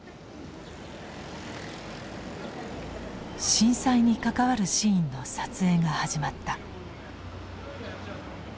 震災に関わるシーンの撮影が始まった。